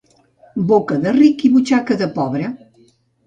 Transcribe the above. Boca de ric i butxaca de pobre.